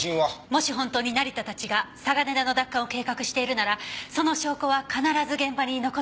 もし本当に成田たちが嵯峨根田の奪還を計画しているならその証拠は必ず現場に残ってるはずでしょ？